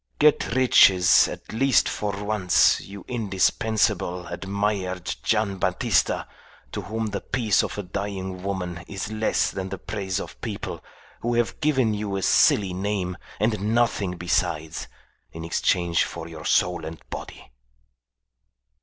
"Get riches at least for once, you indispensable, admired Gian' Battista, to whom the peace of a dying woman is less than the praise of people who have given you a silly name and nothing besides in exchange for your soul and body."